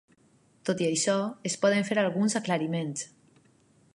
Tot i això, es poden fer alguns aclariments.